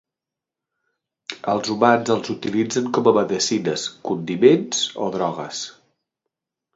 Els humans els utilitzen com a medicines, condiments o drogues.